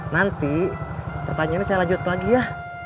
nanti pertanyaannya saya lanjut lagi ya